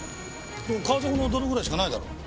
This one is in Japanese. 川底の泥ぐらいしかないだろ。